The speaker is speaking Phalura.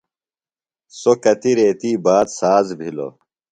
سوۡ کتیۡ ریتی باد ساز بِھلوۡ۔